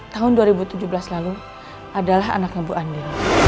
tahun dua ribu tujuh belas lalu adalah anaknya bu andi